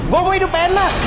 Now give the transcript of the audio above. gue mau hidup enak gue mau kaya